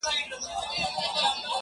• اوس مي نو ومرگ ته انتظار اوسئ ـ